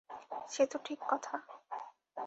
সে তো ঠিক কথা ।